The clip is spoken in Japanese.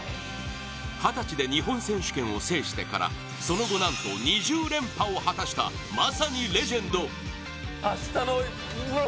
二十歳で日本選手権を制してからその後なんと２０連覇を果たしたまさにレジェンド。